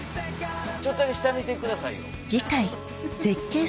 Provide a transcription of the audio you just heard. ちょっとだけ下見てくださいよ。